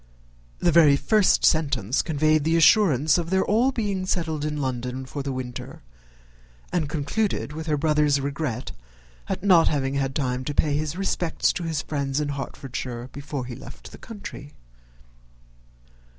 The very first sentence conveyed the assurance of their being all settled in London for the winter, and concluded with her brother's regret at not having had time to pay his respects to his friends in Hertfordshire before he left the country.